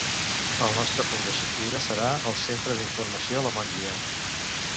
El nostre punt de sortida serà el centre d'informació La Mongia